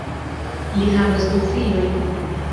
Li havas du filojn.